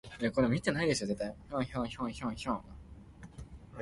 補胎，較好補月內